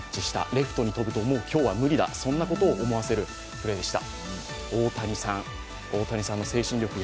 レフトに飛ぶと今日はもう無理だ、そんなことを思わせるプレーでした。